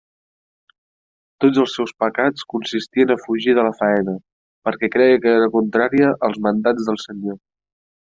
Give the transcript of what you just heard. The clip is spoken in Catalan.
Tots els seus pecats consistien a fugir de la faena, perquè creia que era contrària als mandats del Senyor.